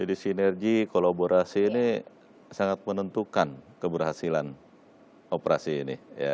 jadi sinergi kolaborasi ini sangat menentukan keberhasilan operasi ini